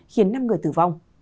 khiến năm người tử vong